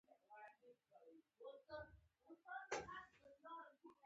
دا څوارلس پیړۍ کېږي چې زما وطن د اسلام وطن دی.